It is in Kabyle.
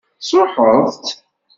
Tesṛuḥeḍ-tt?